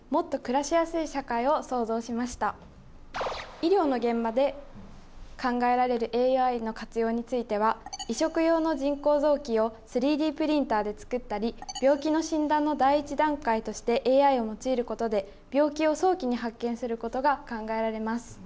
医療の現場で考えられるＡＩの活用については移植用の人工臓器を３Ｄプリンターで作ったり病気の診断の第一段階としてＡＩを用いることで病気を早期に発見することが考えられます。